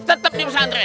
tetap di pesantren